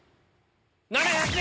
７００円！